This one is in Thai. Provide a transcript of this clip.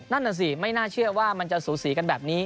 นั่นน่ะสิไม่น่าเชื่อว่ามันจะสูสีกันแบบนี้